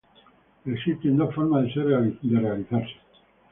Existen dos formas de ser realizada.